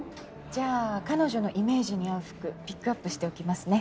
じゃあ彼女のイメージに合う服ピックアップしておきますね。